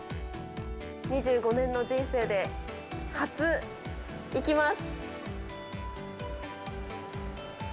２５年の人生で初、いきます。